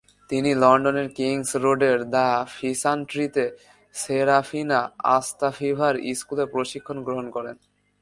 তিনি লন্ডনের কিং'স রোডের দ্য ফিসানট্রিতে সেরাফিনা আস্তাফিভার স্কুলে প্রশিক্ষণ গ্রহণ করেন।